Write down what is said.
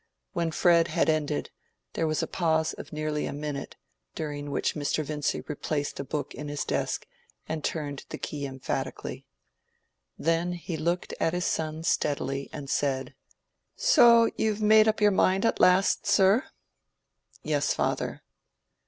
When Fred had ended, there was a pause of nearly a minute, during which Mr. Vincy replaced a book in his desk and turned the key emphatically. Then he looked at his son steadily, and said— "So you've made up your mind at last, sir?" "Yes, father."